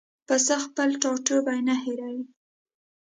پسه خپل ټاټوبی نه هېروي.